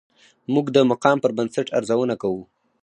موږ د مقام پر بنسټ ارزونه کوو.